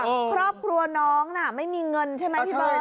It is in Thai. ครอบครัวน้องน่ะไม่มีเงินใช่ไหมพี่เบิร์